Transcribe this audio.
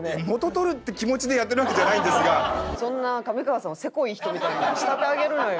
そんな上川さんをセコい人みたいに仕立て上げるなよ。